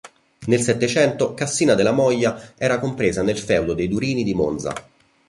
Nel Settecento "Cassina della Moglia" era compresa nel feudo dei Durini di Monza.